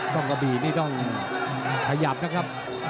กะบี่นี่ต้องขยับนะครับ